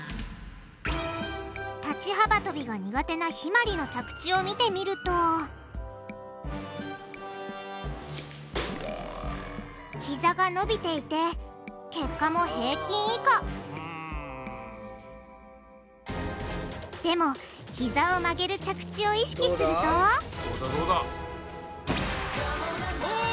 立ち幅とびが苦手なひまりの着地を見てみるとひざが伸びていて結果も平均以下でもひざを曲げる着地を意識するとおぉ！